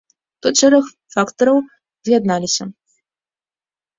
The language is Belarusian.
Тут шэраг фактараў з'ядналіся.